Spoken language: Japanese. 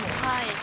はい。